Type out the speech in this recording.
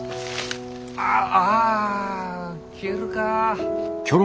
ああ消えるかあ。